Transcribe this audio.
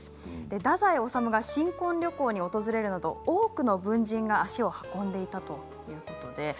太宰治が新婚旅行に訪れるなど多くの文人が足を運んでいたそうです。